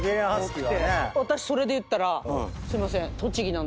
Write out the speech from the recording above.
私それでいったらすいません。